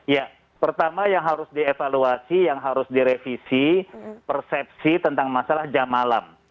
ya pertama yang harus dievaluasi yang harus direvisi persepsi tentang masalah jam malam